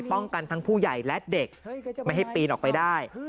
กันทั้งผู้ใหญ่และเด็กไม่ให้ปีนออกไปได้